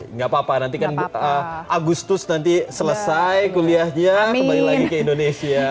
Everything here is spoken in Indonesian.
nggak apa apa nanti kan agustus nanti selesai kuliahnya kembali lagi ke indonesia